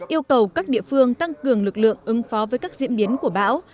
yêu cầu các địa phương tăng cường lực lượng ứng phó với các diễn biến của bão